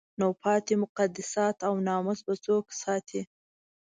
نو پاتې مقدسات او ناموس به څوک ساتي؟